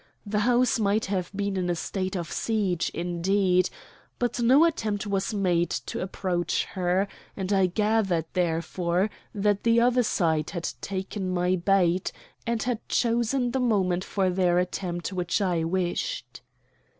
The house might have been in a state of siege, indeed. But no attempt was made to approach her, and I gathered therefore that the other side had taken my bait and had chosen the moment for their attempt which I wished.